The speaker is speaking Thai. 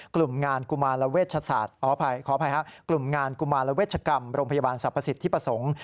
กลุ่มงานกุมาลเวชกรรมโรงพยาบาลสรรพสิทธิประสงค์